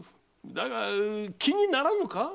だが気にならぬか？